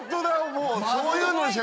もう。